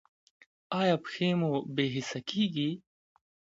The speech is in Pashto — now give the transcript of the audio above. ایا پښې مو بې حسه کیږي؟